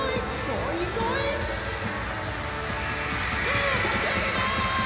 スーを差し上げます！